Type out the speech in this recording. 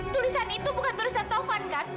tulisan itu bukan tulisan taufan kan